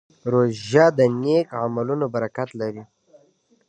روژه د نیک عملونو برکت لري.